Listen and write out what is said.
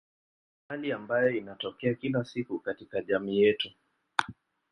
Hali ambayo inatokea kila siku katika jamii yetu.